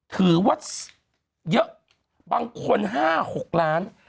ถือว่าเยอะบางคน๕๖ล้าน